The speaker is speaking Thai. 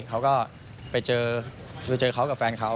เขาก็ไปเจอเขากับแฟนเขา